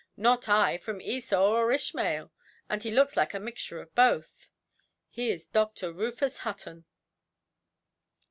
"Not I, from Esau or Ishmael. And he looks like a mixture of both". "He is Doctor Rufus Hutton".